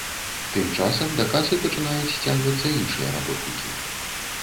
Тым часам да касы пачынаюць сцягвацца іншыя работнікі.